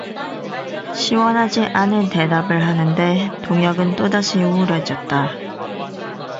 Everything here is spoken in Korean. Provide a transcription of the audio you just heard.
시원하지 않은 대답을 하는 데 동혁은 또다시 우울해졌다.